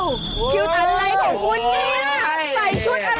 ใส่ชุดอะไรนี่